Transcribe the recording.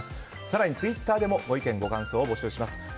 更にツイッターでもご意見、ご感想を募集します。